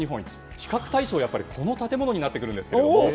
比較対象この建物になってくるんです。